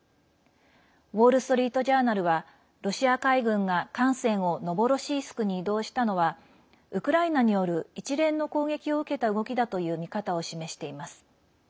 ウォール・ストリート・ジャーナルはロシア海軍が艦船をノボロシースクに移動したのはウクライナによる一連の攻撃を受けた動きだという見方を示しています。